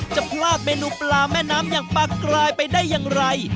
จะพลาดเมนูปลาแม่น้ำอย่างปลากรายไปได้อย่างไร